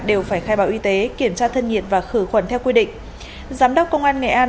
đều phải khai báo y tế kiểm tra thân nhiệt và khử khuẩn theo quy định giám đốc công an nghệ an